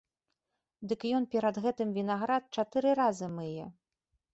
Дык ён перад гэтым вінаград чатыры разы мые.